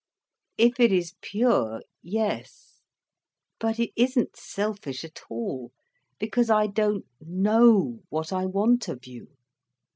"If it is pure, yes. But it isn't selfish at all. Because I don't know what I want of you.